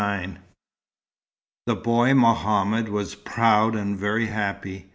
XLIX The boy Mohammed was proud and very happy.